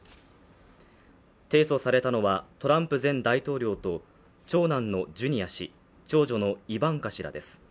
提訴されたのは、トランプ前大統領と長男のジュニア氏、長女のイヴァンカ氏らです。